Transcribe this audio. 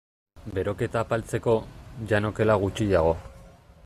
Beroketa apaltzeko, jan okela gutxiago.